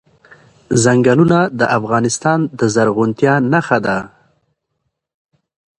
چنګلونه د افغانستان د زرغونتیا نښه ده.